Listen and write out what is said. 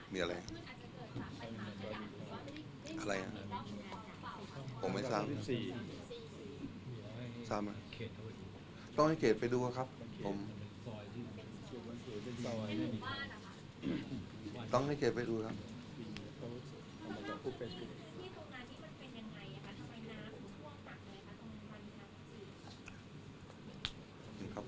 มีอะไรครับ